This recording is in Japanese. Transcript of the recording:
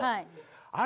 あれ